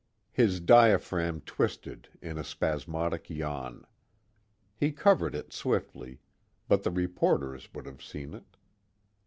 _" His diaphragm twisted in a spasmodic yawn. He covered it swiftly, but the reporters would have seen it.